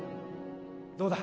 どうだ？